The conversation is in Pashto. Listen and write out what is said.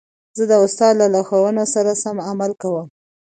زه د استاد د لارښوونو سره سم عمل کوم.